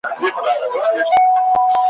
سل عزرائیل وشړم څوک خو به څه نه وايي ,